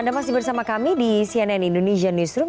anda masih bersama kami di cnn indonesia newsroom